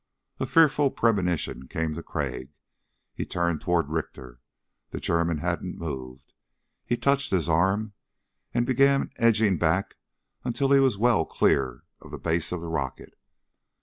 A fearful premonition came to Crag. He turned toward Richter. The German hadn't moved. He touched his arm and began edging back until he was well clear of the base of the rocket.